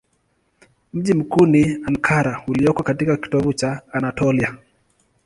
Mji mkuu ni Ankara ulioko katika kitovu cha Anatolia.